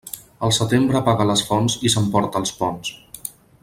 El setembre apaga les fonts i s'emporta els ponts.